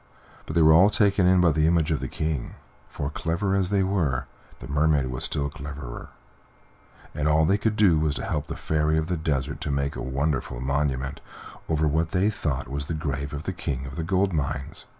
But they were all taken in by the image of the King, for, clever as they were, the Mermaid was still cleverer, and all they could do was to help the Fairy of the Desert to make a wonderful monument over what they thought was the grave of the King of the Gold Mines.